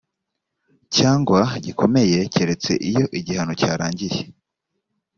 cyangwa gikomeye keretse iyo igihano cyarangiye